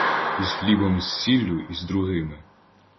І з хлібом, з сіллю і з другими